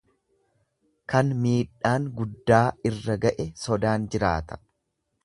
Kan miidhaan guddaa irra ga'e sodaan jiraata.